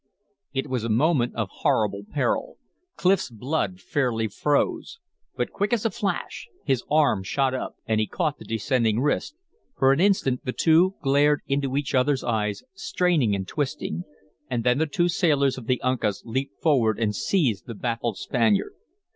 It was a moment of horrible peril. Clif's blood fairly froze. But quick as a flash his arm shot up. And he caught the descending wrist; for an instant the two glared into each other's eyes, straining and twisting. And then the two sailors of the Uncas leaped forward and seized the baffled Spaniard.